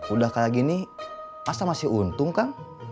udah kayak gini masa masih untung kang